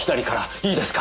いいですか？